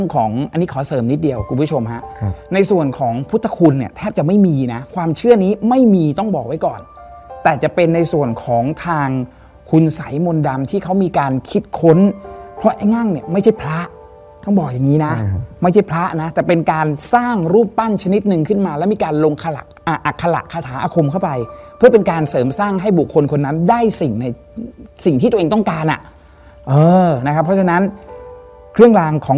ขอเสริมนิดเดียวคุณผู้ชมฮะในส่วนของพุทธคุณเนี่ยแทบจะไม่มีน่ะความเชื่อนี้ไม่มีต้องบอกไว้ก่อนแต่จะเป็นในส่วนของทางคุณสัยมนต์ดำที่เขามีการคิดค้นเพราะไอ้ง่างเนี่ยไม่ใช่พระต้องบอกอย่างงี้น่ะไม่ใช่พระน่ะแต่เป็นการสร้างรูปปั้นชนิดหนึ่งขึ้นมาแล้วมีการลงคลักอักคละคาถาอคมเข้าไปเพื่อ